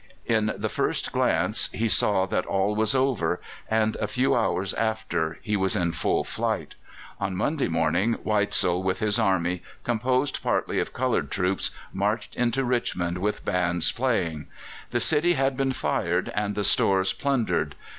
In the first glance he saw that all was over, and a few hours after he was in full flight. On Monday morning Weitzel with his army, composed partly of coloured troops, marched into Richmond with bands playing. The city had been fired and the stores plundered.